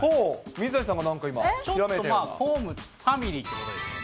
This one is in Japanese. ちょっとまあ、ホーム、ファミリーということですよね。